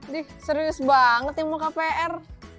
dih serius banget yang mau kpr